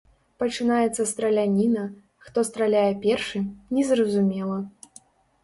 Пачынаецца страляніна, хто страляе першы, незразумела.